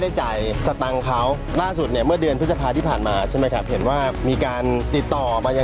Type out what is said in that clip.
เปรียมไวท์สนลิฟต์ค่าน้ำมันกว่า๘หมื่นกว่า